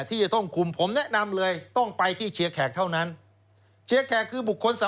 ในในกลุ่มนี้ในในกลุ่มนี้ในกลุ่มนี้